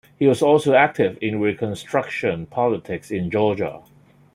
He was also active in Reconstruction politics in Georgia.